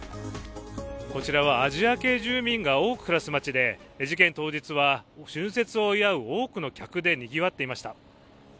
こちらはアジア系住民が多く暮らす街で事件当日は、春節を祝う多くの客でにぎわっていました。